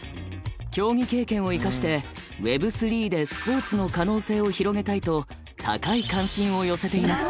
競技経験を生かしてＷｅｂ３でスポーツの可能性を広げたいと高い関心を寄せています。